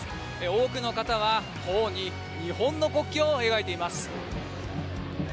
多くの方は頬に日本の国旗を描いています。